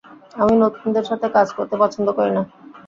আমি নতুনদের সাথে কাজ করতে পছন্দ করি না।